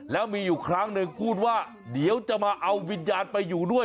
แล้วมีอยู่ครั้งหนึ่งพูดว่าเดี๋ยวจะมาเอาวิญญาณไปอยู่ด้วย